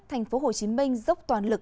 thành phố hồ chí minh dốc toàn lực